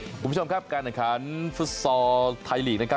ขอบคุณผู้ชมครับการะทราบการฝูกซอลไทยหลีก